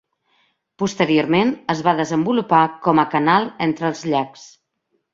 Posteriorment es va desenvolupar com a canal entre els llacs.